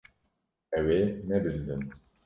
Ew ê nebizdin.